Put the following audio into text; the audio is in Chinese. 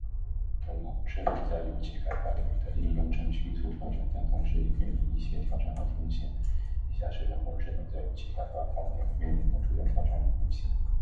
人工智能在油气开发领域的应用正迅速发展，但同时也面临一些挑战和风险。以下是人工智能在油气开发方面面临的主要挑战与风险：